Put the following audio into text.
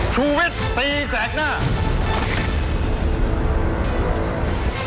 ชูวิทย์ตีแสกหน้า